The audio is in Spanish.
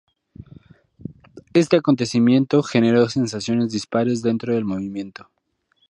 Este acontecimiento generó sensaciones dispares dentro del movimiento.